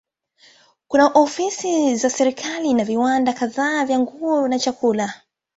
Kuna ofisi za serikali na viwanda kadhaa vya nguo na vyakula.